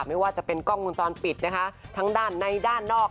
ไม่ว่าจะเป็นกล้องวงจรปิดนะคะทั้งด้านในด้านนอก